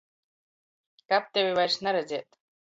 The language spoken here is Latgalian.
Kab tevi vairs naredzēt!